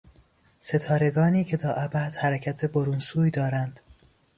ستارگانی که تا ابد حرکت برونسوی دارند